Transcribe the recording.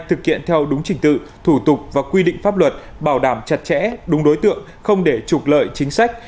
thực hiện theo đúng trình tự thủ tục và quy định pháp luật bảo đảm chặt chẽ đúng đối tượng không để trục lợi chính sách